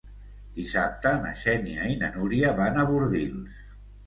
Dissabte na Xènia i na Núria van a Bordils.